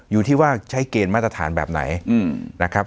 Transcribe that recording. อยู่ที่ว่าใช้เกณฑ์มาตรฐานแบบไหนนะครับ